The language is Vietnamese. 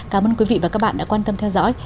cảm ơn quý vị và các bạn đã quan tâm theo dõi